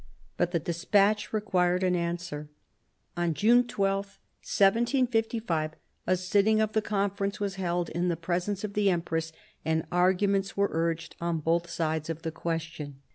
But the despatch required an answer. On June 12, 1755, a sitting of the Conference was held in the presence of the empress, and arguments were urged on both sides of the question.